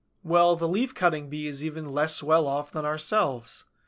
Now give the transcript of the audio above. ] Well, the Leaf cutting Bee is even less well off than ourselves.